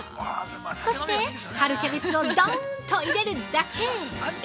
そして、春キャベツをどーんと入れるだけ。